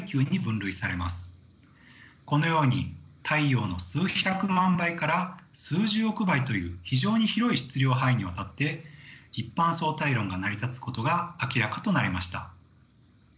このように太陽の数百万倍から数十億倍という非常に広い質量範囲にわたって一般相対論が成り立つことが明らかとなりました。